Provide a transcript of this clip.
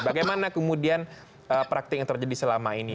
bagaimana kemudian praktik yang terjadi selama ini